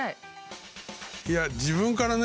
いや自分からね